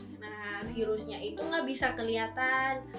nah virusnya itu enggak bisa kelihatan